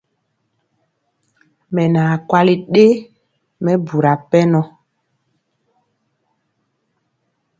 Mɛ naa kwali ɗe mɛbura pɛnɔ.